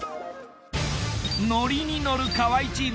ノリに乗る河合チーム。